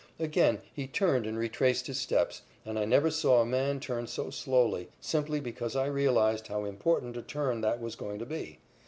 Again he turned and retraced his steps, and I never saw a man turn so slowly, simply because I realized how important a turn that was going to be.